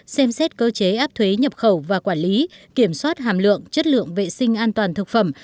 xem xét cơ chế áp thuế nhập khẩu và quản lý kiểm soát hàm lượng chất lượng vệ sinh an toàn thực phẩm